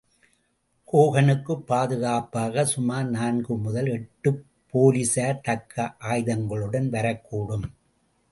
ஹோகனுக்குப் பாதுகாப்பாகச் சுமார் நான்கு முதல் எட்டுப் போலிஸார் தக்க ஆயுதங்களுடன் வரக்கூடும்.